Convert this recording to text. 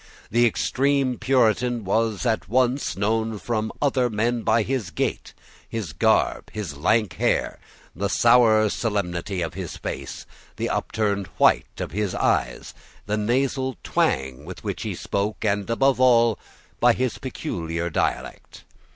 The extreme Puritan was at once known from other men by his gait, his garb, his lank hair, the sour solemnity of his face, the upturned white of his eyes, the nasal twang with which he spoke, and above all, by his peculiar dialect.